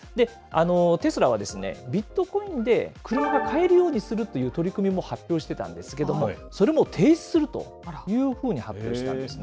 テスラはですね、ビットコインで国が買えるようにすると発表してたんですけども、それも停止するというふうに発表したんですね。